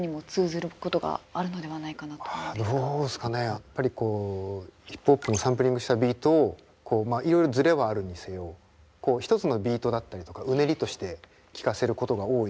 やっぱりこうヒップホップもサンプリングしたビートをこうまあいろいろズレはあるにせよ１つのビートだったりとかうねりとして聴かせることが多いと思うんですけど。